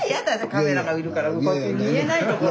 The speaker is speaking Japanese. カメラがいるから向こう行って見えないところ。